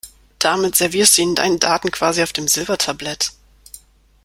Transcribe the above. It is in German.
Damit servierst du ihnen deine Daten quasi auf dem Silbertablett.